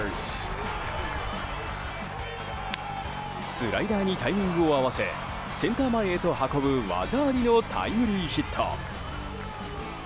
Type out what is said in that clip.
スライダーにタイミングを合わせセンター前へと運ぶ技ありのタイムリーヒット。